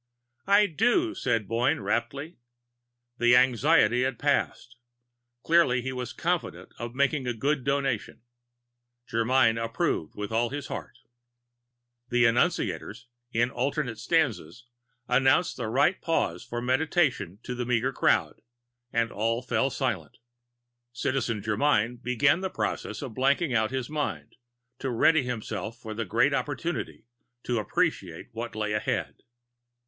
"I do," said Boyne raptly. The anxiety had passed; clearly he was confident of making a good Donation. Germyn approved with all his heart. The Annunciators, in alternate stanzas, announced the right pause for meditation to the meager crowd, and all fell silent. Citizen Germyn began the process of blanking out his mind, to ready himself for the great opportunity to Appreciate that lay ahead.